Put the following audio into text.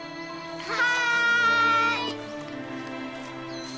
はい！